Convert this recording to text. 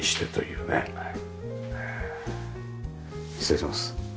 失礼します。